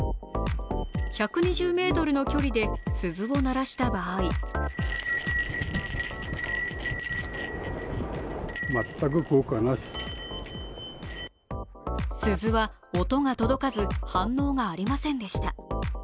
１２０ｍの距離で鈴を鳴らした場合鈴は、音が届かず反応がありませんでした。